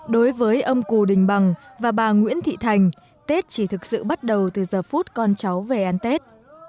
đối với ông cù đình bằng và bà nguyễn thị thành tết chỉ thực sự bắt đầu từ giờ phút con cháu về ăn tết